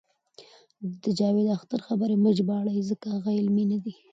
د جاوید اختر خبرې مه ژباړئ ځکه علمي نه دي.